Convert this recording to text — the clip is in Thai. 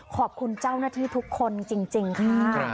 ขอบคุณเจ้าหน้าที่ทุกคนจริงค่ะ